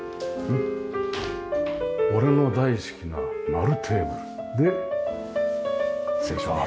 俺の大好きな丸テーブル。で失礼します。